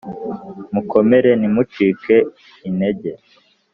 mukomere ni mucike intejye